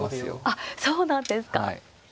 あっそうなんですか。